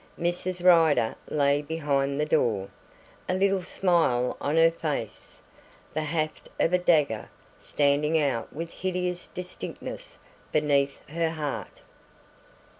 Mrs. Rider lay behind the door, a little smile on her face, the haft of a dagger standing out with hideous distinctness beneath her heart.